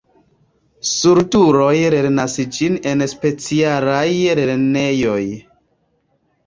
Surduloj lernas ĝin en specialaj lernejoj.